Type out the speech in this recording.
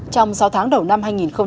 trong sáu tháng đầu năm hai nghìn hai mươi